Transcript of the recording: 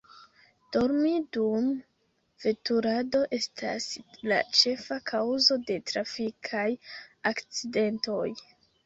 Dormi dum veturado estas la ĉefa kaŭzo de trafikaj akcidentoj.